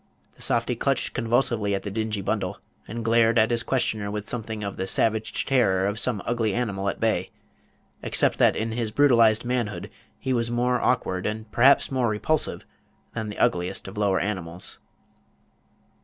Page 196 The softy clutched convulsively at the dingy bundle, and glared at his questioner with something of the savage terror of some ugly animal at bay, except that in his brutalized manhood he was more awkward, and perhaps more repulsive, than the ugliest of lower animals.